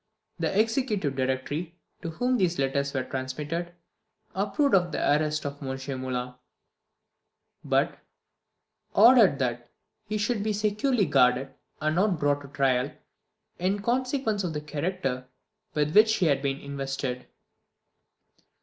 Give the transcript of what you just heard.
The Executive Directory, to whom these letters were transmitted, approved of the arrest of M. Moulin; but ordered that he should be securely guarded, and not brought to trial, in consequence of the character with which he had been invested.